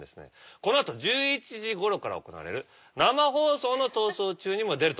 この後１１時ごろから行われる生放送の『逃走中』にも出ると。